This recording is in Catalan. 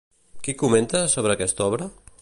Qui comenta sobre aquesta obra?